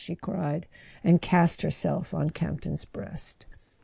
she cried, and cast herself on Campton's breast.